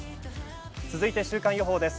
続いて週間予報です。